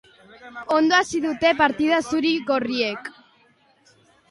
Ondo hasi dute partida zuri-gorriek.